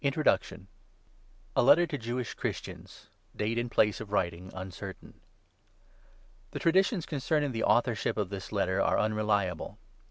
TO HEBREWS A LETTER TO JEWISH CHRISTIANS. [DATE AND PLACE OF WRITING UNCERTAIN.] THE Traditions concerning the authorship of this Letter are unreliable.